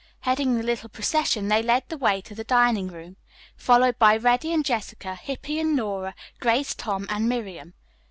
Heading the little procession, they led the way to the dining room, followed by Reddy and Jessica, Hippy and Nora, Grace, Tom and Miriam.